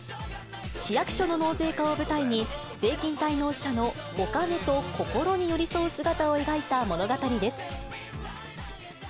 市役所の納税課を舞台に、税金滞納者のお金と心に寄り添う姿を描いた物語です。